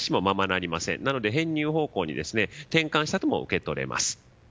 なので編入の方向に転換したとも受け取れます。